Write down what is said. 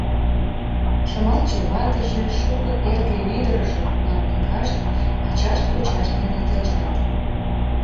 Шымалче ватыже, шуко эрге-ӱдыржӧ да уныкашт ачашт-кочашт дене келшат.